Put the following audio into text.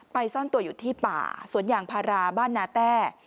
ซ่อนตัวอยู่ที่ป่าสวนยางพาราบ้านนาแต้